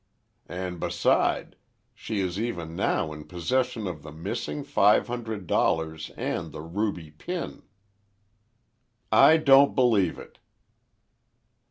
"And, beside, she is even now in possession of the missing five hundred dollars and the ruby pin." "I don't believe it!"